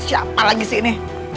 siapa lagi sih ini